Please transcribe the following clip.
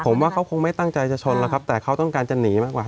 ผมว่าเขาคงไม่ตั้งใจจะชนแล้วครับแต่เขาต้องการจะหนีมากกว่า